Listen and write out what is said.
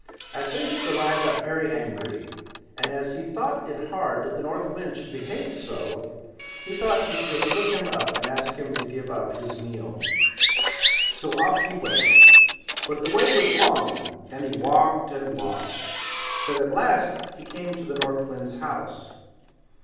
At this the lad got very angry; and as he thought it hard that the North Wind should behave so, he thought he'd just look him up and ask him to give up his meal. So off he went, but the way was long, and he walked and walked; but at last he came to the North Wind's house.